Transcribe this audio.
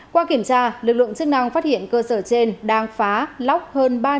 qua kiểm tra lực lượng chức năng phát hiện cơ sở trên đang phá lóc hơn ba trăm linh cây